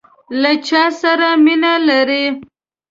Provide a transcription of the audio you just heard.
له چاسره مینه لرئ؟